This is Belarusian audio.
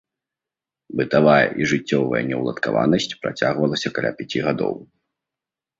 Бытавая і жыццёвая неўладкаванасць працягвалася каля пяці гадоў.